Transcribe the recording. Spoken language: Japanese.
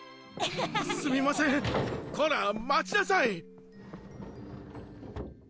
すみませんこら待ちなさい！